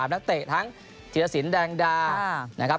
๓ณแต่ทั้งที่ละสินดารงดา